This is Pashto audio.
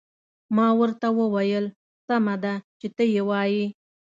ما ورته وویل: سمه ده، چې ته يې وایې.